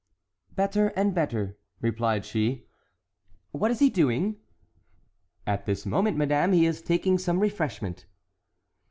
"Better and better," replied she. "What is he doing?" "At this moment, madame, he is taking some refreshment."